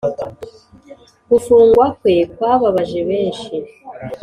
gufungwa kwe kwababaje benshi